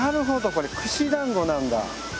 これ串だんごなんだ。